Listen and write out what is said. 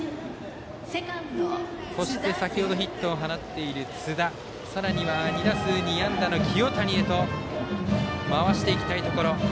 先程ヒットを放っている津田さらには２打数２安打の清谷へと回していきたいところ。